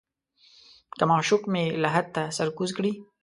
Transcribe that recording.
که معشوق مې لحد ته سر کوز کړي.